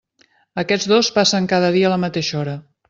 Aquests dos passen cada dia a la mateixa hora.